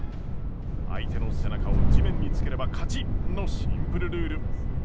相手の背中を地面につければ勝ちのシンプルルール。